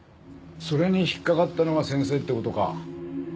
それに引っかかったのが先生って事か。